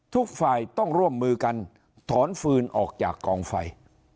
ทุกฝ่ายต้องร่วมมือกันถอนฟืนออกจากกองไฟ